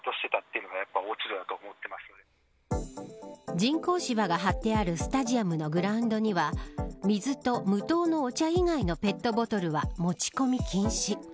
人工芝が張ってあるスタジアムのグラウンドには水と無糖のお茶以外のペットボトルは持ち込み禁止。